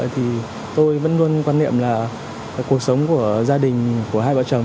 thì tôi vẫn luôn quan niệm là cuộc sống của gia đình của hai vợ chồng